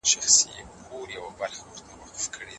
شاګرد د موضوع مثالونه ولي راوړي؟